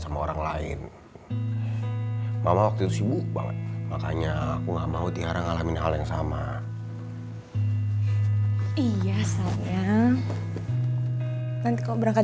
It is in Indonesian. sama orang lain makanya aku nggak mau tiara ngalamin hal yang sama iya nanti kau berangkat